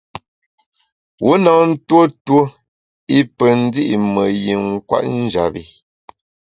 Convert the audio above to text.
Wu na ntuo tuo i pe ndi’ me yin kwet njap bi.